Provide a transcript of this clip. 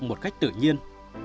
một cách tự nhiên